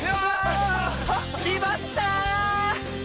きまった！